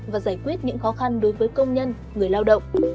và giải quyết những khó khăn đối với công nhân người lao động